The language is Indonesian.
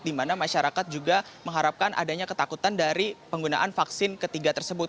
di mana masyarakat juga mengharapkan adanya ketakutan dari penggunaan vaksin ketiga tersebut